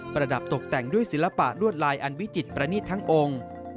ระดับตกแต่งด้วยศิลปะลวดลายอันวิจิตประนิษฐ์ทั้งองค์